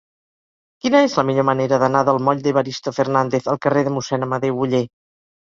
Quina és la millor manera d'anar del moll d'Evaristo Fernández al carrer de Mossèn Amadeu Oller?